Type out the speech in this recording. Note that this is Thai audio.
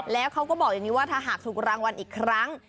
แล้วเขาก็บอกอย่างนี้ว่าถ้าหากถูกรางวัลอีกครั้ง